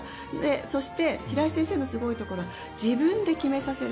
そして平井先生のすごいところは自分で決めさせる。